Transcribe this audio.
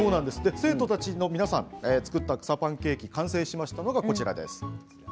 生徒たちの皆さんが作った草パンケーキ完成したのがこちらです。